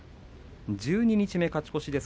十二日目、勝ち越しです。